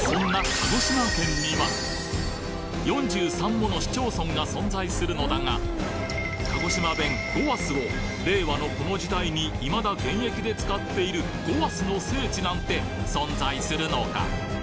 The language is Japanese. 鹿児島県には４３もの市町村が存在するのだが鹿児島弁「ごわす」を令和のこの時代にいまだ現役で使っている「ごわす」の聖地なんて存在するのか？